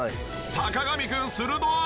坂上くん鋭い！